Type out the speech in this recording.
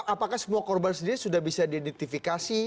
apakah semua korban sendiri sudah bisa diidentifikasi